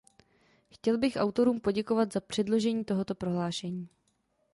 Chtěl bych autorům poděkovat za předložení tohoto prohlášení.